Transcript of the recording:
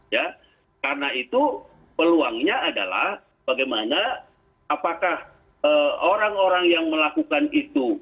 ya karena itu peluangnya adalah bagaimana apakah orang orang yang melakukan itu